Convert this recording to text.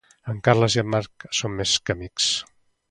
En Carles i en Marc són més que amics.